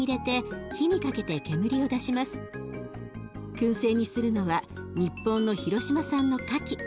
くん製にするのは日本の広島産のカキ。